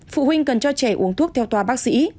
phụ huynh cần cho trẻ uống thuốc theo toa bác sĩ